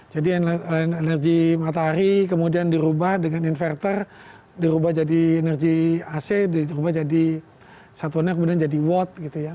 jadi energi matahari kemudian dirubah dengan inverter dirubah jadi energi ac dirubah jadi satuannya kemudian jadi watt gitu ya